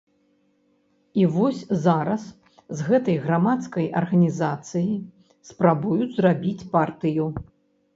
І вось зараз з гэтай грамадскай арганізацыі спрабуюць зрабіць партыю.